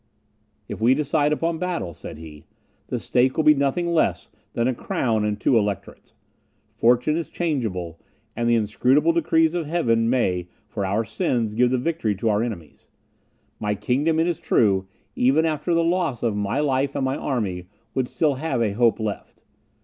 "If we decide upon battle," said he, "the stake will be nothing less than a crown and two electorates. Fortune is changeable, and the inscrutable decrees of Heaven may, for our sins, give the victory to our enemies. My kingdom, it is true, even after the loss of my life and my army, would still have a hope left.